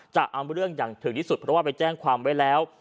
จะเอาเรื่องอย่างถึงที่สุดเพราะว่าไปแจ้งความไว้แล้ว